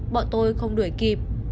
bọn tôi không đuổi kịp